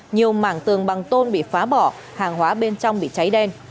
nhiều mảng tường bằng tôn bị phá bỏ hàng hóa bên trong bị cháy đen